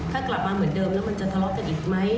ถ้ากลับมาเหมือนเดิมแล้วมันจะทะเลาะกันอีกไหม